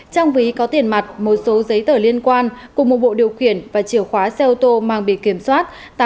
trong ví có tiền mặt một số giấy tờ liên quan cùng một bộ điều khiển và chiều khóa xe ô tô mang bị kiểm soát tám mươi sáu a